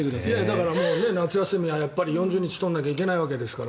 だから、夏休みは４０日取らなきゃいけないわけですから。